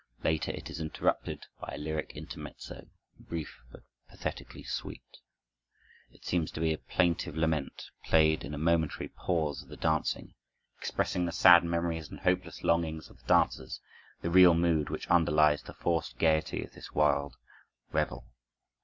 Later it is interrupted by a lyric intermezzo, brief but pathetically sweet. It seems to be a plaintive lament played in a momentary pause of the dancing, expressing the sad memories and hopeless longings of the dancers, the real mood which underlies the forced gaiety of this wild revel.